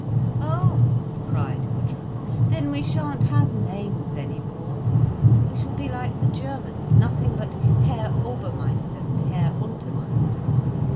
"Oh!" cried Gudrun. "Then we shan't have names any more—we shall be like the Germans, nothing but Herr Obermeister and Herr Untermeister.